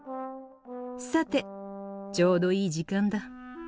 さてちょうどいい時間だ。